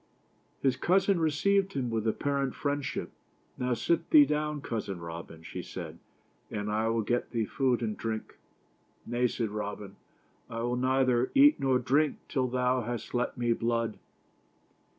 His cousin received him with ap parent friendship. " Now sit thee down, cousin Robin," she said, "and I will get thee food and drink." " Nay" said Robin, " I will neither eat nor drink till thou hast let me blood."